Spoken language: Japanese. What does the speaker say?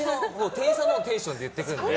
店員さんのテンションで言ってくるので。